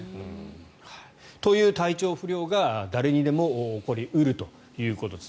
という体調不良が誰にでも起こり得るということです。